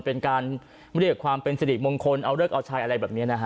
เป็นการไม่ได้เอาความเป็นสลิกมงขลเอาเรื่องเอาชัยอะไรแบบนี้นะคะ